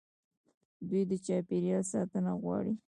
دوی د چاپیریال ساتنه غواړي.